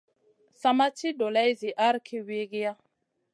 Sa ma ci dolay zi ahrki wiykiya.